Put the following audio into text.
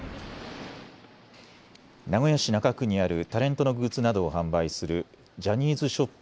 名古屋市中区にあるタレントのグッズなどを販売するジャニーズショップ